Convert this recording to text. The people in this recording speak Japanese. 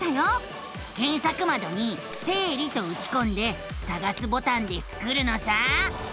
けんさくまどに「生理」とうちこんで「さがす」ボタンでスクるのさ！